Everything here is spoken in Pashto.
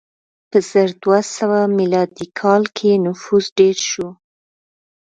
په زر دوه سوه میلادي کال کې نفوس ډېر شو.